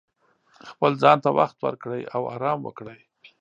خپل ځان ته وخت ورکړئ او ارام وکړئ.